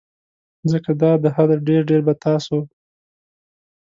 ځکه دا د حده ډیر ډیر به تاسو